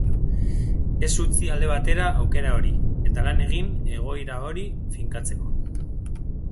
Ez utzi alde batera aukera hori, eta lan egin egoera hori finkatzeko.